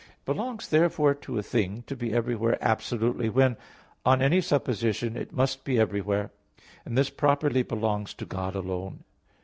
It belongs therefore to a thing to be everywhere absolutely when, on any supposition, it must be everywhere; and this properly belongs to God alone.